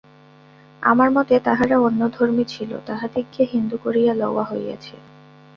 আমার মতে তাহারা অন্যধর্মী ছিল, তাহাদিগকে হিন্দু করিয়া লওয়া হইয়াছে।